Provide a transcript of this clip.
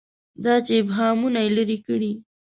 دا چې ابهامونه لري کړي.